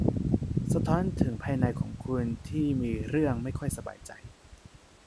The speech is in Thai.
สะท้อนถึงภายในของคุณที่มีเรื่องไม่ค่อยสบายใจ